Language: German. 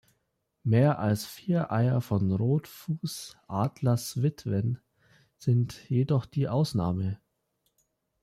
Mehr als vier Eier von Rotfuß-Atlaswitwen sind jedoch die Ausnahme.